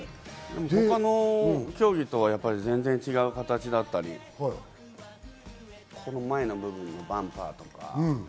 他の競技とは全然違う形だったり、この前の部分、バンパーとか。